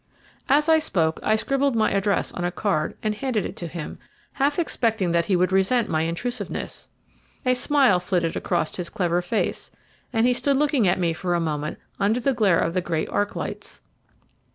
As I spoke I scribbled my address on a card and handed it to him, half expecting that he would resent my intrusiveness. A smile flitted across his clever face, and he stood looking at me for a moment under the glare of the great arc lights.